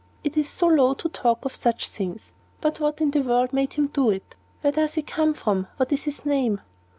It is so low to talk of such things. But what in the world made him do it? Where does he come from, and what is his name?"